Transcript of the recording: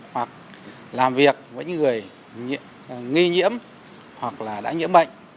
hoặc làm việc với những người nghi nhiễm hoặc là đã nhiễm bệnh